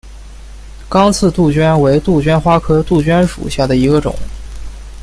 刚刺杜鹃为杜鹃花科杜鹃属下的一个种。